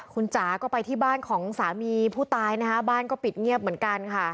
คุณจ๋าก็ไปที่บ้านของสามีผู้ตายนะคะบ้านก็ปิดเงียบเหมือนกันค่ะ